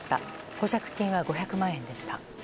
保釈金は５００万円でした。